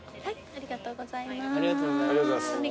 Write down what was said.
ありがとうございます。